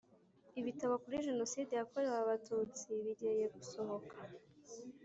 ibitabo kuri Jenoside yakorewe Abatutsi bigeye gusohoka.